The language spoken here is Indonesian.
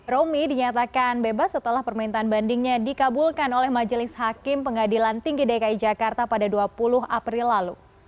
romi dinyatakan bebas setelah permintaan bandingnya dikabulkan oleh majelis hakim pengadilan tinggi dki jakarta pada dua puluh april lalu